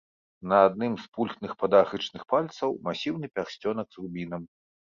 На адным з пульхных падагрычных пальцаў масіўны пярсцёнак з рубінам.